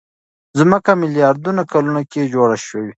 ځمکه ميلياردونو کلونو کې جوړه شوې.